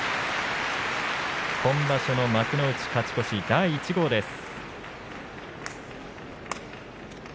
今場所の幕内勝ち越し第１号です。